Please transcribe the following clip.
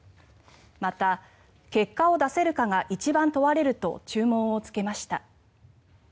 また、結果を出せるかが一番問われると注文をつけました。